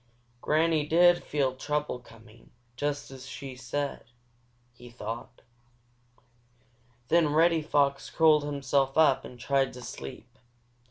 "Granny did feel trouble coming, just as she said," he thought. Then Reddy Fox curled himself up and tried to sleep.